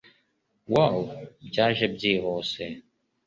wow, byaje byihuse